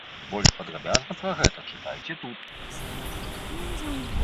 Больш падрабязна пра гэта чытайце тут.